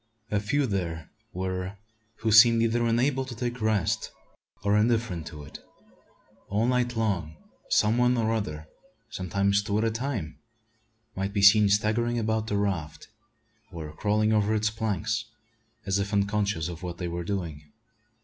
A few there were who seemed either unable to take rest or indifferent to it. All night long some one or other sometimes two at a time might be seen staggering about the raft, or crawling over its planks, as if unconscious of what they were doing.